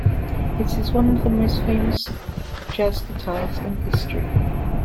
It is one of the most famous jazz guitars in history.